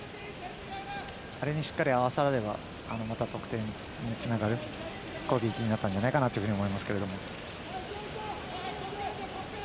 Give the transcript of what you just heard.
あれにしっかり合わせられればまた得点につながる攻撃になったんじゃないかと思います。